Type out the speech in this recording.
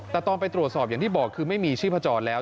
แต่ตอนไปตรวจสอบอย่างที่บอกคือไม่มีชีพจรแล้ว